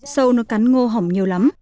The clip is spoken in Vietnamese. sâu nó cắn ngô hỏng nhiều lắm